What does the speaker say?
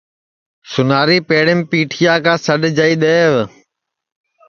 سُناری پیڑیم پیٹھٹؔیا کا سڈؔ جائی دؔیو